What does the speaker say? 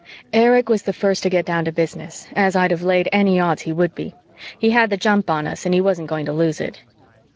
Erich was the first to get down to business, as I'd have laid any odds he would be. He had the jump on us and he wasn't going to lose it.